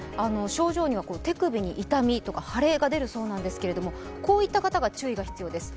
症状には、手首に痛みとか腫れが出るそうなんですけど、こういった方が注意が必要です。